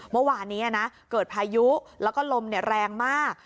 เมื่อวานนี้นะเกิดพายุแล้วก็ลมแรงมาก